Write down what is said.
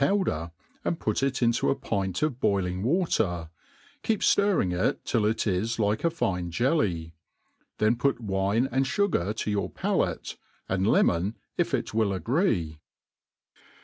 powder •nd put it into a pint of boiling water^ keepftirring it tUlic is like a fine jelly ; then put wine and fugar ta your palate, and lemon, if it will agree.